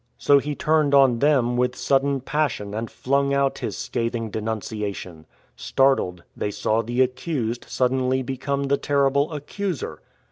So he turned on them with sudden pas sion and flung out his scathing denunciation. Startled, they saw the accused suddenly become the terrible accuser.